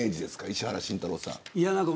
石原慎太郎さん。